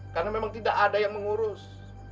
karena memang tidak ada yang mengurus